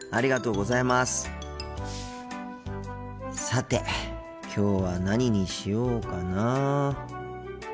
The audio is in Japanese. さてきょうは何にしようかな。